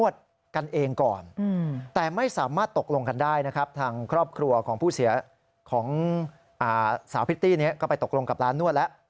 ซึ่งสาวพริตตี้นี้ก็ไปตกลงกับร้านนวดแล้ว